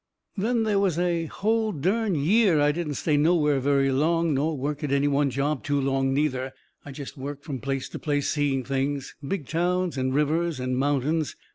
Then they was a hull dern year I didn't stay nowhere very long, nor work at any one job too long, neither. I jest worked from place to place seeing things big towns and rivers and mountains.